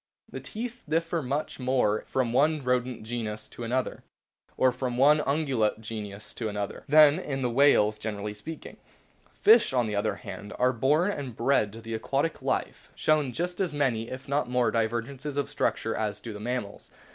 The teeth differ much more in form from one Rodent genus to another, or from one Ungulate genus to another, than in the whales, generally speaking. Fishes, on the other hand, which are born and bred to the aquatic life, show just as many (if not more) divergences of structure as do the mammals.